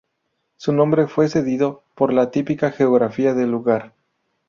Su nombre fue cedido por la típica geografía del lugar.